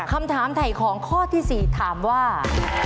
คำถามไถ่ของข้อที่๔ถามว่า